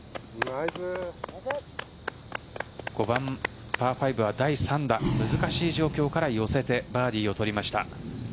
５番、パー５は第３打難しい状況から寄せてバーディーをとりました。